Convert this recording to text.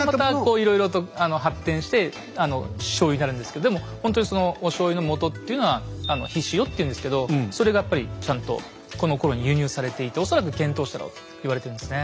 いろいろと発展してしょうゆになるんですけどでもほんとにそのおしょうゆのもとっていうのは「ひしお」って言うんですけどそれがやっぱりちゃんとこのころに輸入されていて恐らく遣唐使だろうと言われてるんですね。